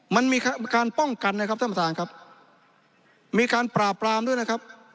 มันมีการป้องกันนะครับท่านประธานครับมีการปราบปรามด้วยนะครับ